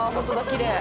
きれい。